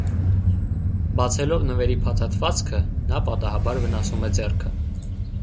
Բացելով նվերի փաթաթվածքը՝ նա պատահաբար վնասում է ձեռքը։